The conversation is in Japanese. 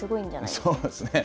そうですね。